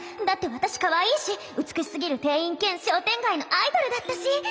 だって私かわいいし美しすぎる店員兼商店街のアイドルだったし